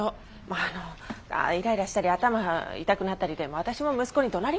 あのイライラしたり頭痛くなったりで私も息子にどなりまくりですよ。